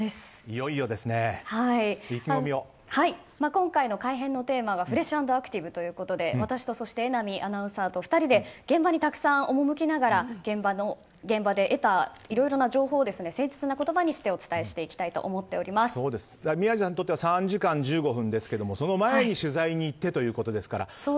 今回の改編のテーマがフレッシュアンドアクティブということで私と榎並アナウンサーと２人で現場にたくさん赴きながら現場で得たいろいろな情報を誠実な言葉にしてお伝えしていきたいと宮司さんにとっては３時間１５分ですがその前に取材に行ってということですから。